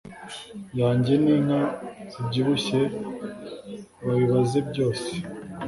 yanjye n inka zibyibushye babibaze byose